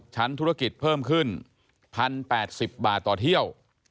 ชั้นธุรกิจเพิ่มขึ้น๑๐๘๐บาทต่อเที่ยว